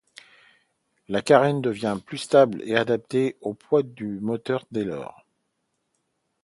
La carène devient plus stable et adaptée au poids du moteur dès lors.